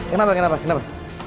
kenapa kenapa kenapa